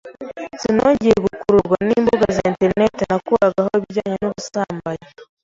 Sinongeye gukururwa n’imbuga za enterineti nakuragaho ibijyanye n’ubusambanyi.